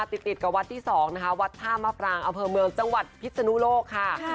ติดกับวัดที่๒นะคะวัดท่ามะปรางอำเภอเมืองจังหวัดพิศนุโลกค่ะ